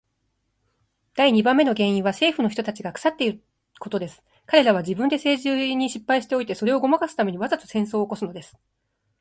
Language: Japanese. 第二番目の原因は政府の人たちが腐っていることです。彼等は自分で政治に失敗しておいて、それをごまかすために、わざと戦争を起すのです。